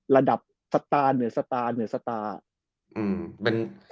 ระดับสตาร์เหนือสตาร์เหนือสตาร์